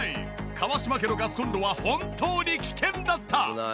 川島家のガスコンロは本当に危険だった！